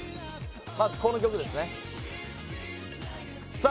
この曲ですねさあ